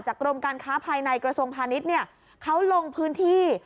กรมการค้าภายในกระทรวงพาณิชย์เนี่ยเขาลงพื้นที่